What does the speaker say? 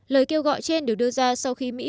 lời kêu gọi trên được đưa ra sau khi mỹ phát triển